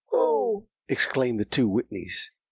] "Oh!" exclaimed the two Whitneys.